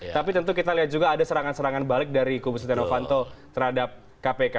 tapi tentu kita lihat juga ada serangan serangan balik dari kubu setia novanto terhadap kpk